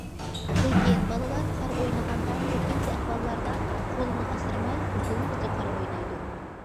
لېكىن بالىلار قار ئوينىغاندا كۆپىنچە ئەھۋاللاردا قولىنى ئاسرىماي ئۇزۇنغىچە قار ئوينايدۇ.